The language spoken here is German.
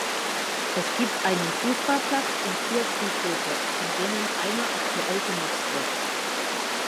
Es gibt einen Fußballplatz und vier Friedhöfe, von denen einer aktuell genutzt wird.